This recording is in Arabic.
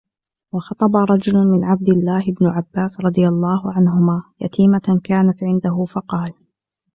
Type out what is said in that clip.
وَخَطَبَ رَجُلٌ مِنْ عَبْدِ اللَّهِ بْنِ عَبَّاسٍ رَضِيَ اللَّهُ عَنْهُمَا يَتِيمَةً كَانَتْ عِنْدَهُ فَقَالَ